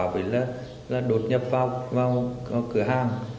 với là đột nhập vào cửa hàng